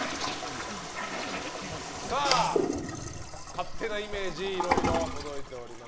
勝手なイメージいろいろ届いております。